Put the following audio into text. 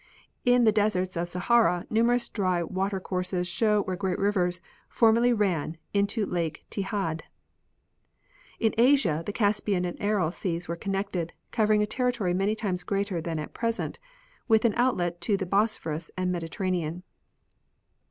In the desert of Sahara numerous dry water courses show where great rivers formerly ran into Lake Tchad. In Asia the Caspian and Aral seas were connected, covering a territory many times greater than at present, with an outlet to the Bosphorus and Mediterranean.